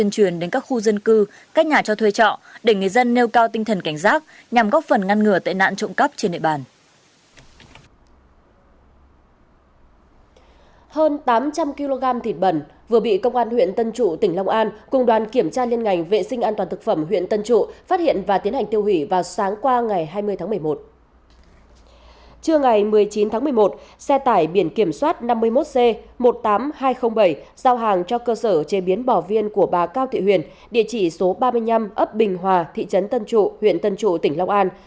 chưa ngày một mươi chín tháng một mươi một xe tải biển kiểm soát năm mươi một c một mươi tám nghìn hai trăm linh bảy giao hàng cho cơ sở chế biến bỏ viên của bà cao thị huyền địa chỉ số ba mươi năm ấp bình hòa thị trấn tân trụ huyện tân trụ tỉnh long an